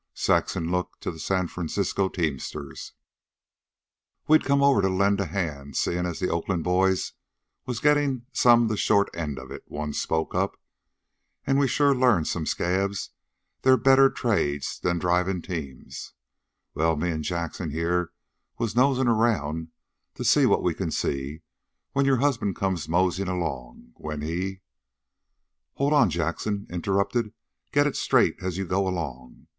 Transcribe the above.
Saxon looked to the San Francisco teamsters. "We'd come over to lend a hand, seein' as the Oakland boys was gettin' some the short end of it," one spoke up, "an' we've sure learned some scabs there's better trades than drivin' team. Well, me an' Jackson here was nosin' around to see what we can see, when your husband comes moseyin' along. When he " "Hold on," Jackson interrupted. "Get it straight as you go along.